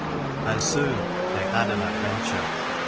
And soon they had an adventure.